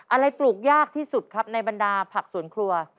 ปลูกยากที่สุดครับในบรรดาผักสวนครัว